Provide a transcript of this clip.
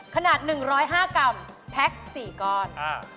ขนาด๑๐๕กรัมแพ็ค๔ก้อน